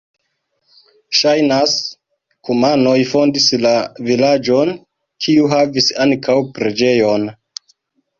Ŝajnas, kumanoj fondis la vilaĝon, kiu havis ankaŭ preĝejon.